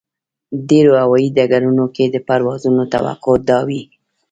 ډېرو هوایي ډګرونو کې د پروازونو توقع دا وي.